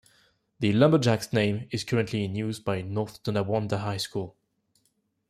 The "Lumberjacks" name is currently in use by North Tonawanda High School.